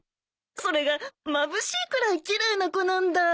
それがまぶしいくらい奇麗な子なんだ。